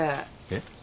えっ？